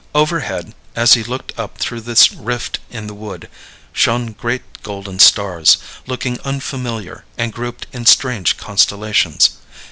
Overhead, as he looked up through this rift in the wood, shone great golden stars, looking unfamiliar and grouped in strange constellations.